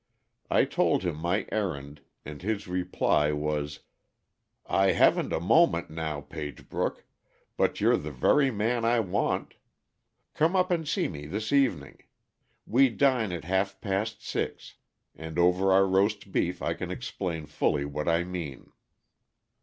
I told him my errand, and his reply was: "'I haven't a moment now, Pagebrook, but you're the very man I want; come up and see me this evening. We dine at half past six, and over our roast beef I can explain fully what I mean.'